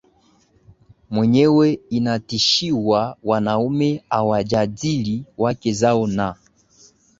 mwenyewe inatishiwa Wanaume hawajadili wake zao na